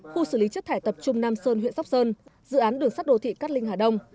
khu xử lý chất thải tập trung nam sơn huyện sóc sơn dự án đường sắt đô thị cát linh hà đông